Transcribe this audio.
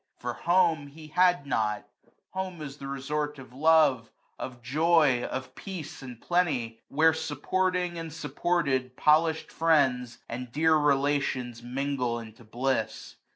For home he had not ; home is the resort 65 Of love, of joy, of peace and plenty ; where,. Supporting and supported, polished friends^ And dear relations mingle into bliss.